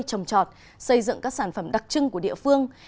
trồng trọt xây dựng các sản phẩm đặc trưng của địa phương